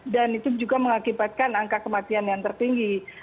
dan itu juga mengakibatkan angka kematian yang tertinggi